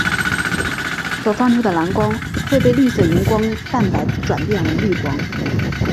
所放出的蓝光会被绿色荧光蛋白转变为绿光。